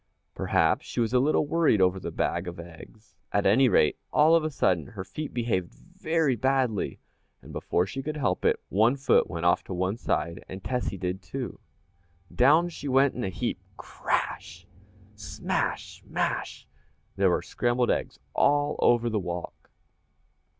Perhaps she was a little worried over the bag of eggs. At any rate, all of a sudden her feet behaved very badly, and before she could help it, one foot went off to one side and Tessie did, too. Down she went in a heap. Crash! smash! mash! there were scrambled eggs all over the walk!